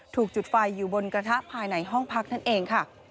ถูกจุดไฟอยู่บนกระทะภายในห้องพักนั่นเองค่ะ